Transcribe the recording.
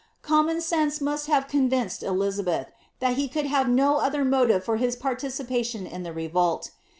Com mon sense roust have convinced Elizabeth, that he could have no other Dotive for his participation in the revolt.